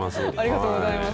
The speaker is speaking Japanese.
ありがとうございます。